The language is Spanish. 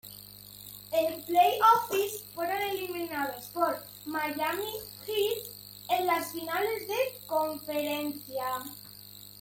En playoffs, fueron eliminados por Miami Heat en las Finales de Conferencia.